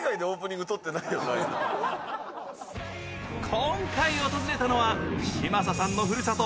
今回訪れたのは嶋佐さんのふるさと